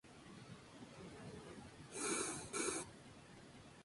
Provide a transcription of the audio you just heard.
Por ello, no tiene ningún elemento mitológico asociado a ella.